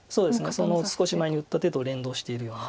その少し前に打った手と連動しているような